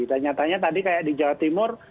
dan nyatanya tadi kayak di jawa timur